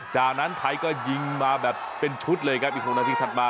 จากนั้นไทยก็ยิงมาแบบเป็นชุดเลยครับอีก๖นาทีถัดมา